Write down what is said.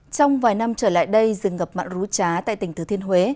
trong vài năm trở lại đây rừng ngập mặn rú trái tại tỉnh thừa thiên huế